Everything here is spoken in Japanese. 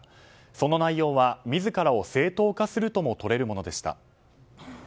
その内容は、自らを正当化するともとれるものでした。